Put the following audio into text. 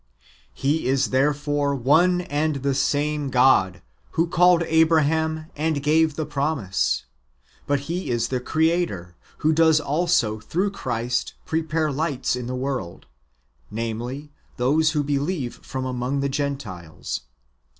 He is therefore one and the same God, who called Abraham and gave him the promise. But He is the Creator, who does also through Christ prepare lights in the world, [namely] those who believe from among the Gentiles.